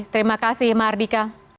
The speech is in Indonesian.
terima kasih mahardika